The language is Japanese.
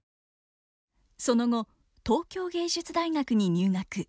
その後東京藝術大学に入学。